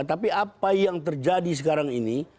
tapi apa yang terjadi sekarang ini